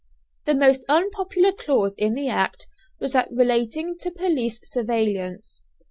The most unpopular clause in the Act was that relating to police surveillance.